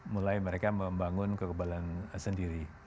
mulai mereka membangun kekebalan sendiri